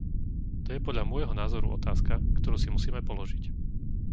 To je podľa môjho názoru otázka, ktorú si musíme položiť.